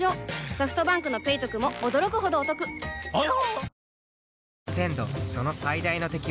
ソフトバンクの「ペイトク」も驚くほどおトクわぁ！